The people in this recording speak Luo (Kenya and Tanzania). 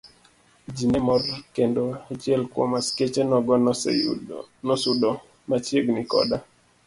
Ji ne mor kendo achiel kuom askeche nogo nosudo machiegni koda.